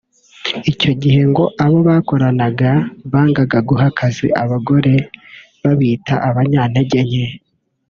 Icyo gihe ngo abo bakoranaga bangaga guha akazi abagore babita abanyantege nke